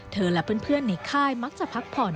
และเพื่อนในค่ายมักจะพักผ่อน